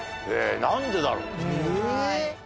なんでだろう？え？